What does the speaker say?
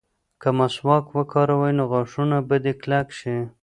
که مسواک وکاروې نو غاښونه به دې کلک شي.